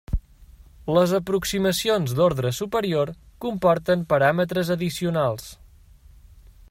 Les aproximacions d'ordre superior comporten paràmetres addicionals.